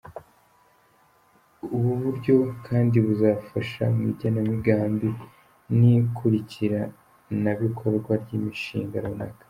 Ubu buryo kandi buzafasha mu igenamigambi n’ikurikiranabikorwa ry’imishinga runaka.